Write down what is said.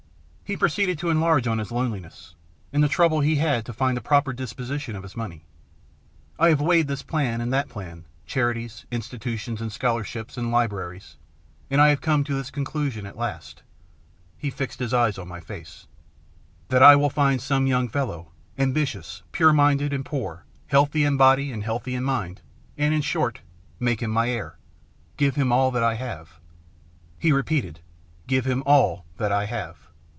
He proceeded to enlarge on his loneliness, and the trouble he had to find a proper disposition of his money. " I have weighed this plan and that plan, charities, institutions, and scholar ships, and libraries, and I have come to this con clusion at last," he fixed his eyes on my face, " that I will find some young fellow, ambitious, pure minded, and poor, healthy in body and healthy in mind, and, in short, make him my heir, give him all that I have." He repeated, " Give him all that I have.